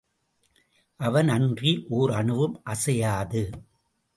அவன் அன்றி ஓரணுவும் அசையாது.